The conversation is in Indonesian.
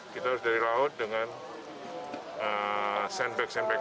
kita harus dari laut dengan sandbag sandbag